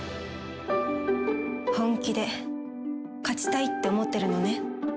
本気で勝ちたいって思ってるのね？